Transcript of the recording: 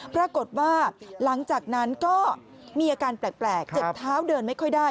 ปรากฏว่าหลังจากนั้นก็มีอาการแปลกเจ็บเท้าเดินไม่ค่อยได้